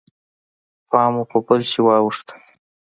پام مو په بل شي واوښت.